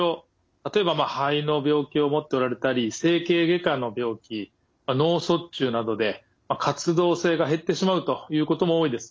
例えば肺の病気を持っておられたり整形外科の病気脳卒中などで活動性が減ってしまうということも多いです。